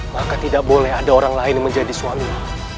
maka tidak boleh ada orang lain menjadi suaminya